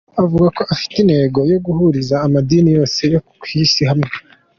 Avuga ko afite intego yo guhuriza amadini yose yo ku Isi hamwe.